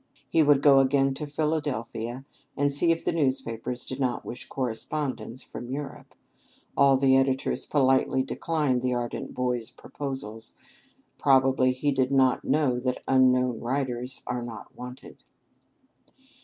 He would go again to Philadelphia, and see if the newspapers did not wish correspondence from Europe. All the editors politely declined the ardent boy's proposals. Probably he did not know that "unknown writers" are not wanted.